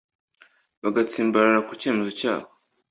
bagatsimbarara ku cyemezo cyabo